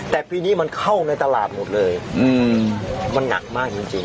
แต่ปีนี้มันเข้าในตลาดหมดเลยมันหนักมากจริง